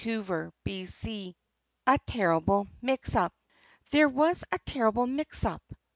XVII A TERRIBLE MIX UP There was a terrible mix up.